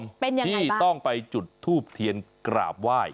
เป็นยังไงที่ต้องไปจุดทูบเทียนกราบไหว้